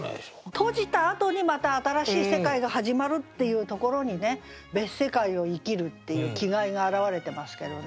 閉じたあとにまた新しい世界が始まるっていうところにね別世界を生きるっていう気概が表れてますけどね。